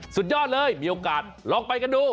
สุดยอดเลยมีโอกาสลองไปกันดู